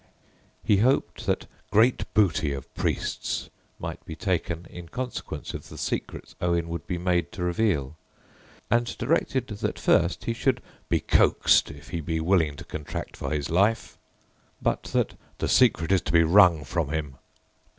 He hoped that "great booty of priests" might be taken in consequence of the secrets Owen would be made to reveal, and directed that first he should "be coaxed if he be willing to contract for his life," but that "the secret is to be wrung from him."